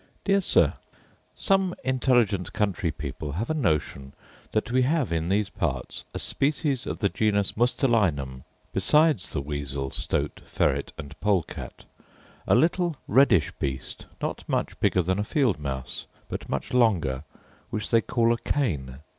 Dear Sir, Some intelligent country people have a notion that we have, in these parts, a species of the genus mustelinum, besides the weasel, stoat, ferret, and polecat; a little reddish beast, not much bigger than a field mouse, but much longer, which they call a cane.